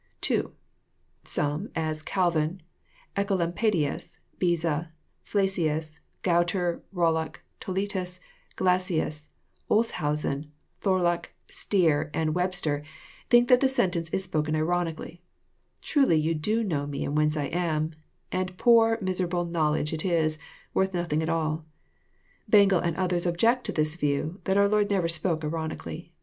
(2) Some, as Calvin, Ecolampadius, Beza, Flacius, Gualter, BoUuck, Toletus, Glassius, Olshausen, Tholuck, Stier, and Webster, think that the sentence is spoken ironically :—" Truly you do know me and whence I am, and poor miserable knowl edge it is, worth nothing at all." — Bengel and others object to this view, that our Lord never spoke ironically.